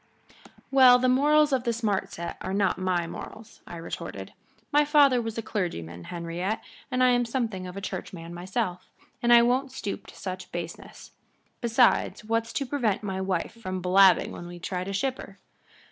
"Well, the morals of the smart set are not my morals," I retorted. "My father was a clergyman, Henriette, and I'm something of a churchman myself, and I won't stoop to such baseness. Besides, what's to prevent my wife from blabbing when we try to ship her?"